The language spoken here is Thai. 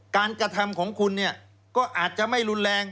การกระทำของคุณก็อาจจะไม่รุนแรง